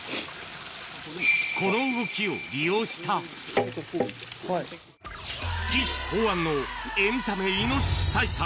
この動きを利用した、岸考案のエンタメイノシシ対策。